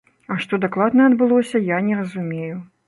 А што дакладна адбылося, я не разумею.